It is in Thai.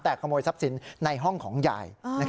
แต่ขโมยทรัพย์สินในห้องของยาย